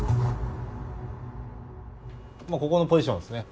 ここのポジションですね。